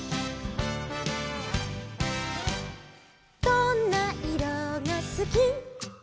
「どんないろがすき」「」